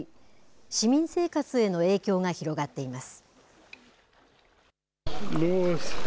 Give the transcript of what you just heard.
市民生活への影響が広がっています。